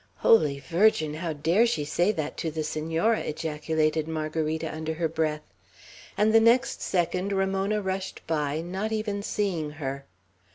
"Holy Virgin! how dare she say that to the Senora?" ejaculated Margarita, under her breath; and the next second Ramona rushed by, not even seeing her.